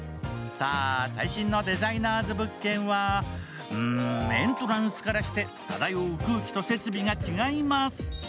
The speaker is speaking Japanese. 最新のデザイナーズ物件はエントランスからして漂う空気と設備が違います。